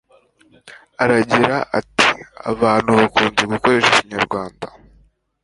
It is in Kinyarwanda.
aragira ati 'abantu bakunze gukoresha ikinyarwanda